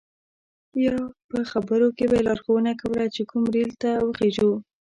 یا په خبرو به یې لارښوونه کوله چې کوم ریل ته وخیژو.